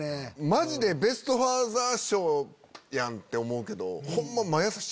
マジでベスト・ファーザー賞やんって思うけど。